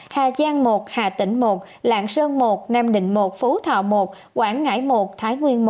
hà giang một hà tĩnh một lạng sơn một nam định một phú thọ một quảng ngãi một thái nguyên một